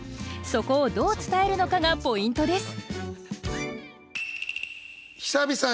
そこをどう伝えるのかがポイントです。